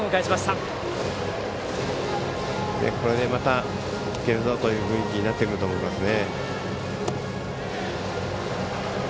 これでまたいけるぞという雰囲気になってくると思いますね。